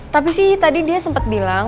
tapi sih tadi dia sempat bilang